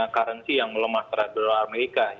currency yang melemah terhadap dolar amerika